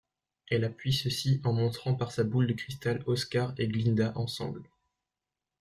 Elle appuie ceci en montrant par sa boule de cristal Oscar et Glinda ensemble.